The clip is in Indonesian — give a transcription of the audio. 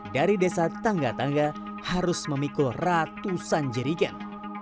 dari desa tangga tangga harus memikul ratusan jerigen